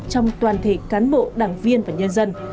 trong toàn thể cán bộ đảng viên và nhân dân